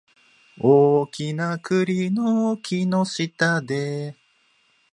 大きな栗の木の下で